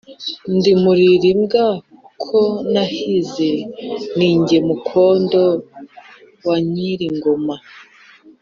Ndi Rulirimbwa ko nahize, ni jye mukondo wa Nyilingoma